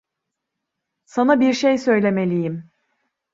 Sana birşey söylemeliyim.